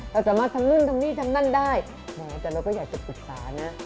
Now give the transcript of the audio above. เราสามารถทำนู่นทำนี่ทำนั่นได้แหมแต่เราก็อยากจะปรึกษานะ